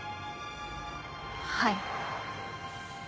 はい。